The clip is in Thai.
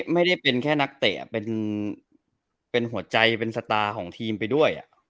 ไม่ได้เป็นแค่นักเตะเป็นหัวใจเป็นสตาร์ของทีมไปด้วย